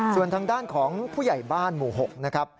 ส่วนทางด้านของผู้ใหญ่บ้านหมู่๖นะครับ